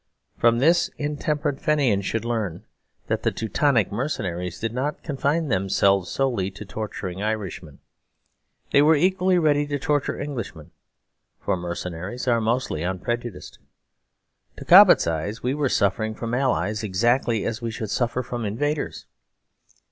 From this intemperate Fenians should learn that the Teutonic mercenaries did not confine themselves solely to torturing Irishmen. They were equally ready to torture Englishmen: for mercenaries are mostly unprejudiced. To Cobbett's eye we were suffering from allies exactly as we should suffer from invaders.